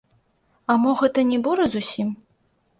А мо гэта не бура зусім?